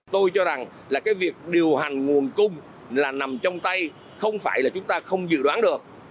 tôi cho rằng là cái việc điều hành nguồn cung là nằm trong tay không phải là chúng ta không dự đoán được